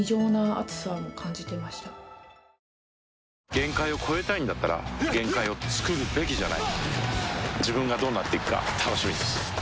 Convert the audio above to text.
限界を越えたいんだったら限界をつくるべきじゃない自分がどうなっていくか楽しみです